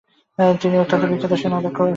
তিনি অন্যতম বিখ্যাত সেনাধ্যক্ষ ও সেনাপতি।